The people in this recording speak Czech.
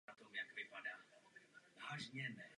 Zároveň se díky předchozí dohodě stal členem obecního výboru.